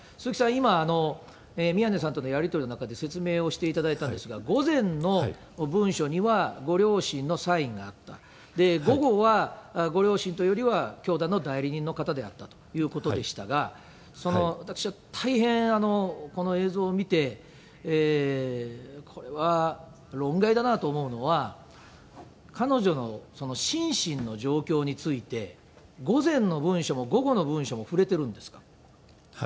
今、宮根さんとのやり取りの中で説明をしていただいたんですが、午前の文書にはご両親のサインがあった、午後はご両親というよりは、教団の代理人の方であったということでしたが、私、大変、この映像を見て、これは論外だなと思うのは、彼女の心身の状況について、午前の文書も午後の文書も触れてるんですか？